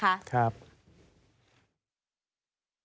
ครับ